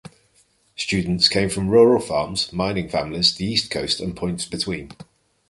Students came from rural farms, mining families, the East Coast, and points between.